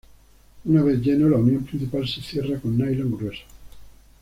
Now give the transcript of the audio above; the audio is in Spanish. Una vez lleno, la unión principal se cierra con nylon grueso.